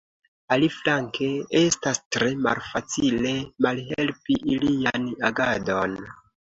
Aliflanke, estas tre malfacile malhelpi ilian agadon.